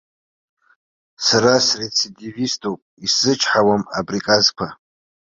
Сара срецидивиступ, исзычҳауам априказқәа.